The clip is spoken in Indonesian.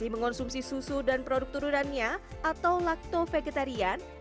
mengonsumsi susu dan produk turunannya atau lakto vegetarian